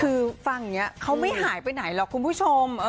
คือฟังอย่างนี้เขาไม่หายไปไหนหรอกคุณผู้ชม